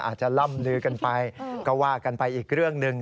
อาจจะล่ำลือกันไปก็ว่ากันไปอีกเรื่องหนึ่ง